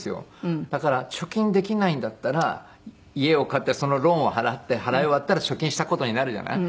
だから貯金できないんだったら家を買ってそのローンを払って払い終わったら貯金した事になるじゃない？